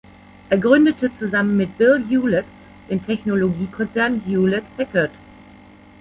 Er gründete zusammen mit Bill Hewlett den Technologiekonzern Hewlett-Packard.